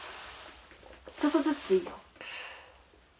ちょっとずつでいいよ。